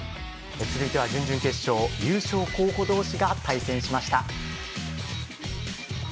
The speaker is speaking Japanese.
続いては準々決勝優勝候補同士が対戦しました。